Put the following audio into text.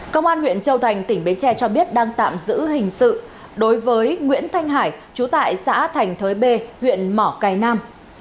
công an huyện châu thành tỉnh bến tre cho biết đang tạm giữ hình sự đối với nguyễn thanh hải chú tại xã thành thới bê huyện mỏ cầy nam